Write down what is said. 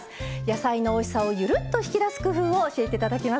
野菜のおいしさをゆるっと引き出す工夫を教えて頂けますよ。